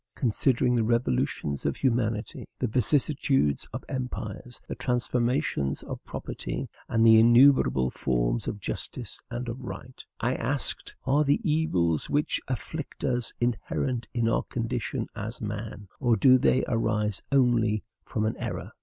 Considering the revolutions of humanity, the vicissitudes of empires, the transformations of property, and the innumerable forms of justice and of right, I asked, "Are the evils which afflict us inherent in our condition as men, or do they arise only from an error?